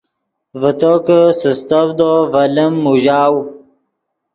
ڤے تو کہ سستڤدو ڤے لیم موژاؤ